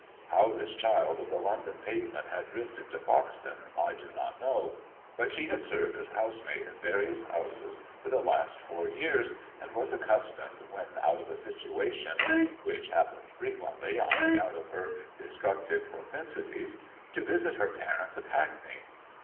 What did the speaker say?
How this child of the London pavement had drifted to Foxton I do not know, but she had served as housemaid in various houses for the last four years, and was accus tomed when out of a situation, which happened frequently on account of her destructive propensities, to visit her parents at Hackney.